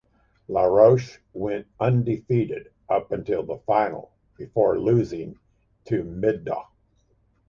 Larouche went undefeated up until the final before losing to Middaugh.